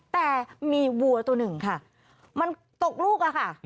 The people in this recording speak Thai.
แต่มีวัวตัวหนึ่งค่ะมันตกลูกอะค่ะ